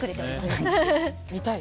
見たい。